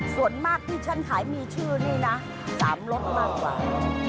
ส่วนมากที่ฉันขายมีชื่อนี่นะ๓รสมากกว่า